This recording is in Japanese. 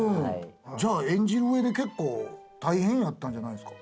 じゃあ演じる上で結構大変やったんじゃないですか？